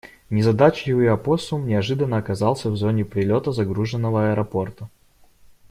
Незадачливый опоссум неожиданно оказался в зоне прилета загруженного аэропорта.